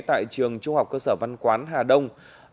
tại trường trung học cơ sở văn quán hà đông